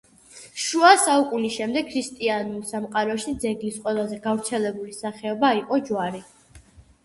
შუა საუკუნეების შემდეგ ქრისტიანულ სამყაროში ძეგლის ყველაზე გავრცელებული სახეობა იყო ჯვარი.